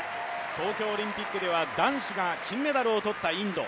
東京オリンピックでは男子が金メダルをとったインド。